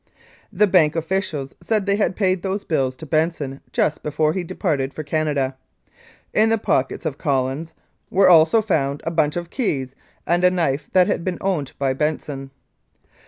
The bank officials said they had paid those bills to Benson just before he departed for Canada. In the pockets of Collins were also found a bunch of keys and a knife that had been owned by Benson.